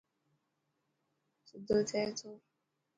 سڌو ٿي سو.